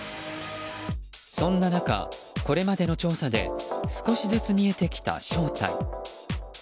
そんな中、これまでの調査で少しずつ見えてきた正体。